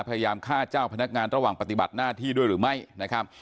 พยายามฆ่าเจ้าพนักงานระหว่างปฏิบัติหน้าที่ด้วยหรือไม่นะครับ